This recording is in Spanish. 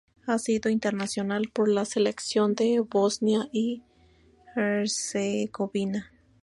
Ha sido internacional por la selección de Bosnia y Herzegovina.